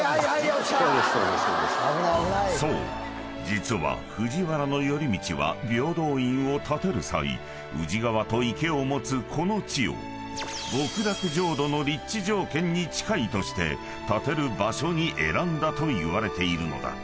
実は藤原頼通は平等院を建てる際宇治川と池を持つこの地を極楽浄土の立地条件に近いとして建てる場所に選んだといわれているのだ］